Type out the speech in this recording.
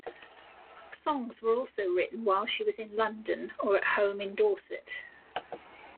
Songs were also written while she was in London or at home in Dorset.